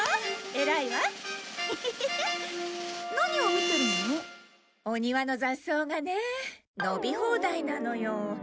お庭の雑草がね伸び放題なのよ。